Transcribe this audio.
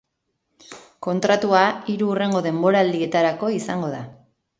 Kontratua hurrengo hiru denboraldietarako izango da.